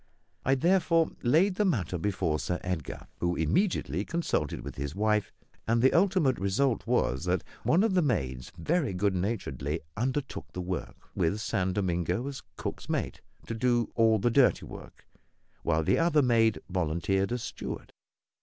I therefore laid the matter before Sir Edgar, who immediately consulted with his wife; and the ultimate result was that one of the maids very good naturedly undertook the work, with San Domingo as cook's mate, to do all the dirty work, while the other maid volunteered as steward.